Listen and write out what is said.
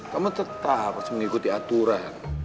kamu tetap harus mengikuti aturan